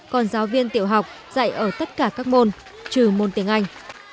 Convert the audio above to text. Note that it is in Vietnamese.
còn giáo viên tiểu học dạy ở tất cả các môn trừ môn tiếng anh